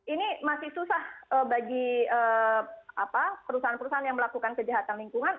ini masih susah bagi perusahaan perusahaan yang melakukan kejahatan lingkungan